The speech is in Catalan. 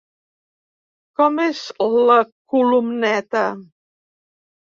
Com és la columneta?